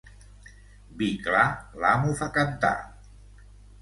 Vi clar l'amo fa cantar.